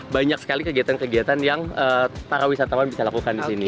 banyak sekali kegiatan kegiatan yang para wisatawan bisa lakukan di sini